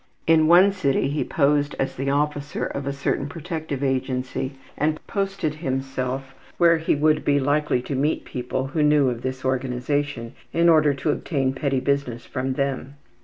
In one city he posed as the officer of a certain protective agency and posted himself where he would be likely to meet people who knew of this organization, in order to obtain petty business from them.